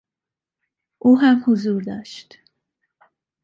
او هم حضور داشت.